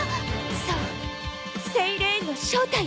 そうセイレーンの正体よ。